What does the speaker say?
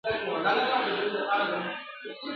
کندهار په وینو سور دی د زلمیو جنازې دي !.